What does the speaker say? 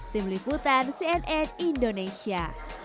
tim liputan cnn indonesia